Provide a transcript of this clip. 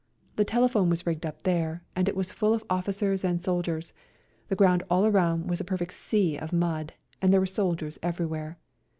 The telephone was rigged up there, and it was full of officers and soldiers ; the ground all round was a perfect sea of mud, and there were soldiers everywhere.